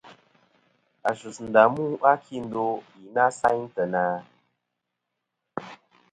A sus ndà mu a kindo i na sayn teyna?